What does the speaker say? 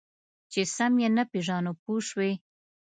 چې سم یې نه پېژنو پوه شوې!.